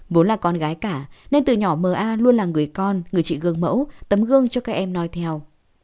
vốn là con gái cả nên từ nhỏ m a luôn là người con người chị gương mẫu tấm gương cho các em nói theo